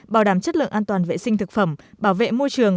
bảo đảm chất lượng an toàn vệ sinh thực phẩm bảo vệ môi trường